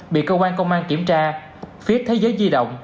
bị cơ quan công an kiểm tra phía thế giới di động